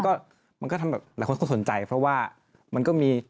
ก็มันก็ทำแบบหลายคนก็สนใจเพราะว่ามันก็มี